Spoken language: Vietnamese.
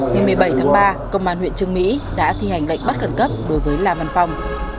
ngày một mươi bảy tháng ba công an huyện trương mỹ đã thi hành lệnh bắt khẩn cấp đối với la văn phong